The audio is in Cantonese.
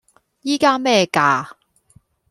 依家咩價?